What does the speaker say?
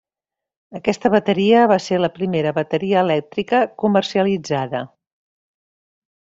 Aquesta bateria va ser la primera bateria elèctrica comercialitzada.